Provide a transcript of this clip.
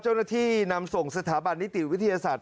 เจ้าหน้าที่นำส่งสถาบันนิติวิทยาศาสตร์